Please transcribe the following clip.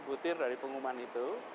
putir dari pengumuman itu